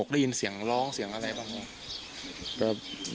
ได้ยินเสียงร้องเสียงอะไรบ้างครับ